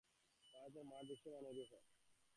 ভারতের মাঠ বিশ্বমানেরই হয়।